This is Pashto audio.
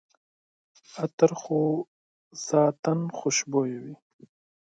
عطر خو ذاتاً خوشبویه وي.